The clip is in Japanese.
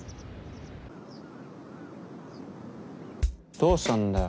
どうしたんだよ。